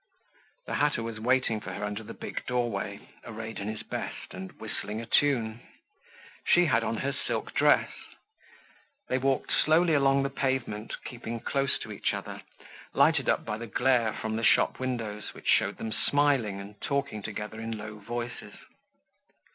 The hatter was waiting for her under the big doorway, arrayed in his best and whistling a tune. She had on her silk dress. They walked slowly along the pavement, keeping close to each other, lighted up by the glare from the shop windows which showed them smiling and talking together in low voices.